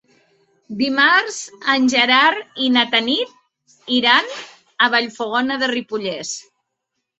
Dimarts en Gerard i na Tanit iran a Vallfogona de Ripollès.